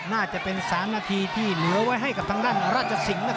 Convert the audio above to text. น่าจะเป็น๓นาทีที่เหลือไว้ให้กับทางด้านราชสิงห์